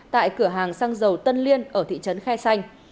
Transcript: tại cửa hàng xăng dầu tân liên ở thị trấn khe xanh